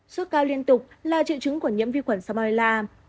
suốt cao liên tục là triệu chứng của nhiễm vi khuẩn salmonella